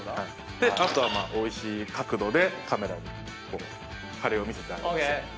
あとはおいしい角度でカメラにこうカレーを見せて。